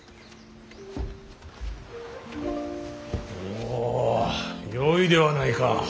おおよいではないか。